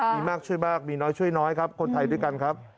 มีมากช่วยมากมีน้อยช่วยน้อยครับคนไทยด้วยกันครับ